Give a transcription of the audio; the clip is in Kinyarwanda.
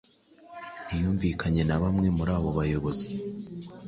Ntiyumvikanye na bamwe muri abo bayobozi.